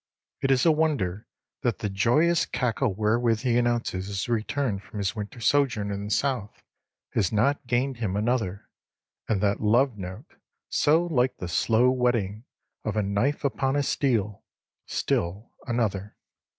It is a wonder that the joyous cackle wherewith he announces his return from his winter sojourn in the South has not gained him another, and that love note, so like the slow whetting of a knife upon a steel, still another.